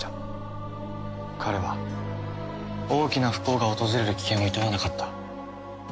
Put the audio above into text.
彼は大きな不幸が訪れる危険をいとわなかった。